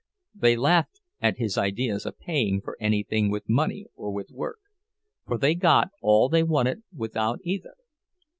They laughed at his ideas of paying for anything with money or with work—for they got all they wanted without either.